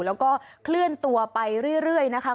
แล้วก็เคลื่อนตัวไปเรื่อยนะคะ